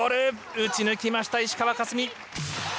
打ち抜きました、石川佳純。